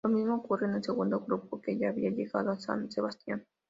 Lo mismo ocurre con el segundo grupo que ya había llegado a San Sebastián.